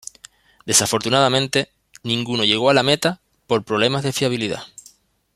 Desafortunadamente, ninguno llegó a la meta por problemas de fiabilidad.